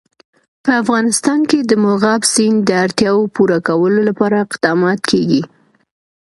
په افغانستان کې د مورغاب سیند د اړتیاوو پوره کولو لپاره اقدامات کېږي.